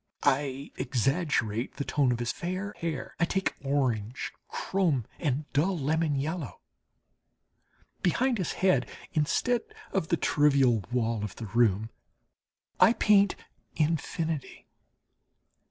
I exaggerate the tone of his fair hair; I take orange, chrome, and dull lemon yellow. Behind his head, instead of the trivial wall of the room I paint infinity.